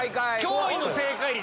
驚異の正解率！